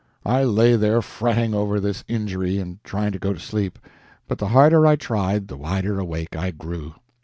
I lay there fretting over this injury, and trying to go to sleep; but the harder I tried, the wider awake I grew.